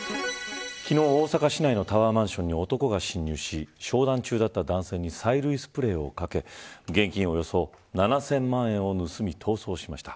昨日、大阪市内のタワーマンションに男が侵入し商談中だった男性に催涙スプレーをかけ現金およそ７０００万円を盗み逃走しました。